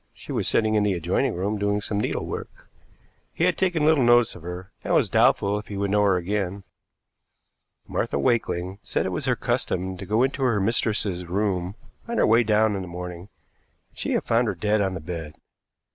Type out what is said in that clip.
She was sitting in the adjoining room doing some needlework. He had taken little notice of her, and was doubtful if he would know her again. Martha Wakeling said it was her custom to go into her mistress's room on her way down in the morning, and she had found her dead on the bed.